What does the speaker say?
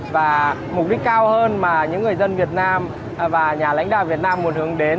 và mục đích cao hơn mà những người dân việt nam và nhà lãnh đạo việt nam muốn hướng đến